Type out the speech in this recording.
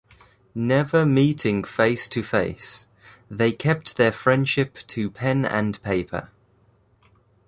Never meeting face to face, they kept their friendship to pen and paper.